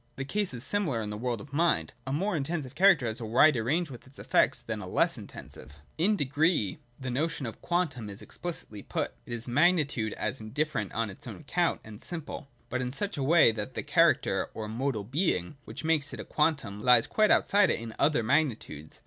The case is similar in the world of mind : a more intensive character has a wider range with its effects than a less intensive. 104.J In Degree the notion of quantum is explicitly put. It is magnitude as indifferent on its own account and simple : but in such a way that the character (or modal being) which makes it a quantum lies quite outside it in other magnitudes.